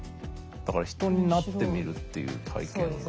だから人になってみるっていう体験が。